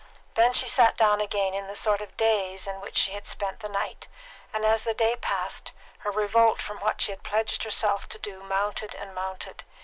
Then she sat down again in the sort of daze in which she had spent the night, and as the day passed, her revolt from what she had pledged herself to do mounted and mounted.